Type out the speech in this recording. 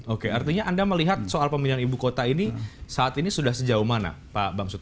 oke artinya anda melihat soal pemindahan ibu kota ini saat ini sudah sejauh mana pak bamsud